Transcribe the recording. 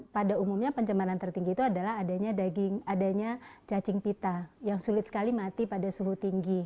pada umumnya pencemaran tertinggi itu adalah adanya daging adanya cacing pita yang sulit sekali mati pada suhu tinggi